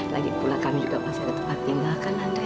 lagi pula kami juga pasti tetap tinggal kan ndre